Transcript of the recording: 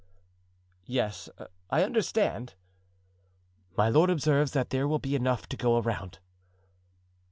"Yes, I understand." "My lord observes that there will be enough to go around."